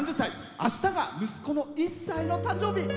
あすが息子の１歳の誕生日です。